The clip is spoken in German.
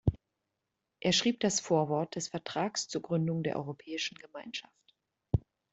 Er schrieb das Vorwort des Vertrags zur Gründung der Europäischen Gemeinschaft.